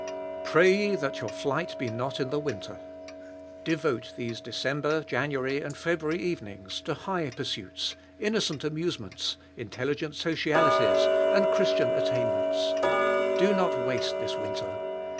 Pray ye that your flight be not in the winter! Devote these December, January and February evenings to high pursuits, innocent amusements, intelligent socialities, and Christian attainments. Do not waste this winter.